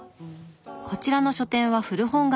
こちらの書店は古本がメイン。